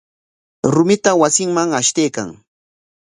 Rumita wasinman ashtaykan.